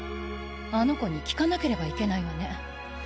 あの子に聞かなければいけないわね。